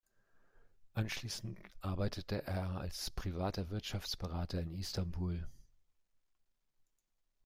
Anschließend arbeitete er als privater Wirtschaftsberater in Istanbul.